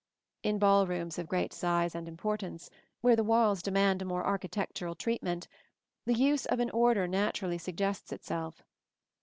In ball rooms of great size and importance, where the walls demand a more architectural treatment, the use of an order naturally suggests itself.